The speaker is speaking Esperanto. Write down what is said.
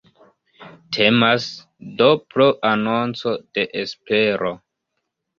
Temas, do, pro anonco de espero.